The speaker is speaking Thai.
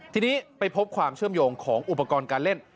ทีนี้ไปพบความเชื่อมโยงของอุปกรณ์การเล่น